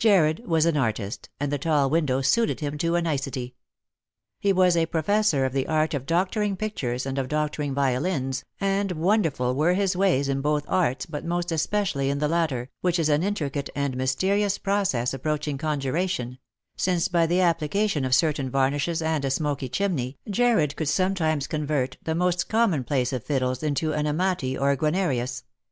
Jarred was an artist, and the tall window suited him to a nicety. He was a professor of the art of doctoring pictures and of doctoring violins, and wonderful were his ways in both arts, but most especially in the latter, which is an intricate and mysterious process approaching conjuration ; sinee, by the application of certain varnishes and a smoky chimney, Jarred could sometimes convert the most commonplace of fiddles into an Amati or a Guanerius.